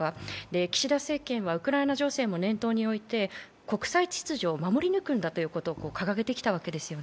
岸田政権はウクライナ情勢も念頭において国際秩序を守り抜くんだということを掲げてきたわけですよね。